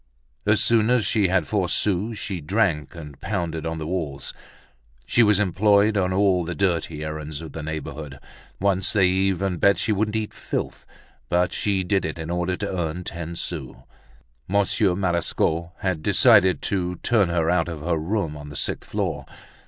As soon as she had four sous she drank and pounded on the walls. She was employed on all the dirty errands of the neighborhood. Once they even bet her she wouldn't eat filth, but she did it in order to earn ten sous. Monsieur Marescot had decided to turn her out of her room on the sixth floor.